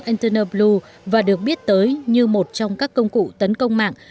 internet blue và được biết tới như một trong các công cụ tấn công mạng